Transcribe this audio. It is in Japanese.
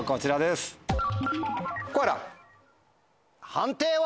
判定は？